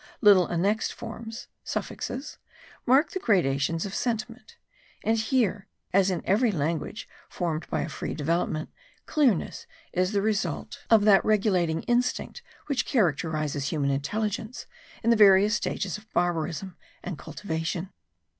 Little annexed forms (suffixes) mark the gradations of sentiment; and here, as in every language formed by a free development, clearness is the result of that regulating instinct which characterises human intelligence in the various stages of barbarism and cultivation.